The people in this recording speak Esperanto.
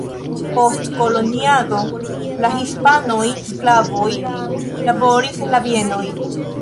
Post koloniado de hispanoj sklavoj laboris en la bienoj.